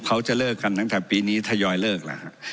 เขาจะเลิกกันตั้งแต่ปีนี้ทยอยเลิกแล้วฮะ